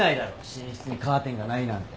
寝室にカーテンがないなんて。